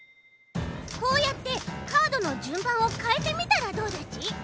こうやってカードのじゅんばんをかえてみたらどうだち？